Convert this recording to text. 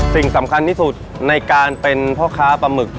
สิ่งสำคัญที่สุดในการเป็นพ่อค้าปลาหมึก